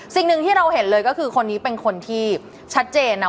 สิ่งหนึ่งที่เราเห็นเลยก็คือคนนี้เป็นคนที่ชัดเจนนะ